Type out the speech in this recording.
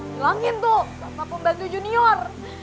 bilangin tuh sama pembantu junior